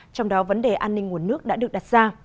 trong đó vấn đề an ninh nguồn nước đã được đặt ra